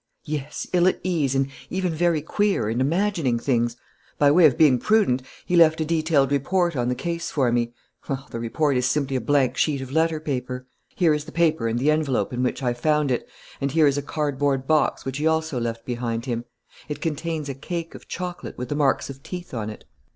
"Yes, ill at ease and even very queer and imagining things. By way of being prudent, he left a detailed report on the case for me. Well, the report is simply a blank sheet of letter paper. "Here is the paper and the envelope in which I found it, and here is a cardboard box which he also left behind him. It contains a cake of chocolate with the marks of teeth on it."